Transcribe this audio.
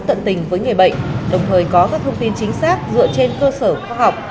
tận tình với người bệnh đồng thời có các thông tin chính xác dựa trên cơ sở khoa học